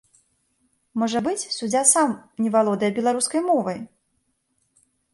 Можа быць, суддзя сам не валодае беларускай мовай?